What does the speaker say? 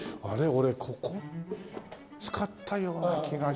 俺ここ使ったような気がしたな。